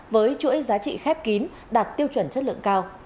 với chuỗi giá trị khép kín đạt tiêu chuẩn chất lượng cao